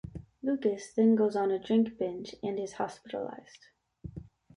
Lucas then goes on a drink binge and is hospitalised.